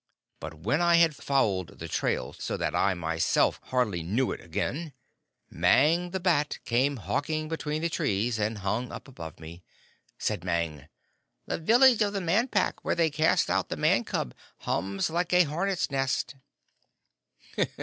But when I had fouled the trail so that I myself hardly knew it again, Mang, the Bat, came hawking between the trees, and hung up above me. Said Mang, 'The village of the Man Pack, where they cast out the Man cub, hums like a hornet's nest.'"